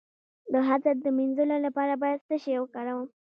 د حسد د مینځلو لپاره باید څه شی وکاروم؟